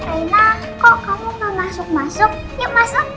erina kok kamu nggak masuk masuk yuk masuk